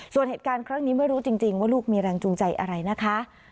ส่วนเหตุการณ์ครั้งนี้ไม่รู้จริงว่าลูกมีแรงจูงใจอะไรนะคะ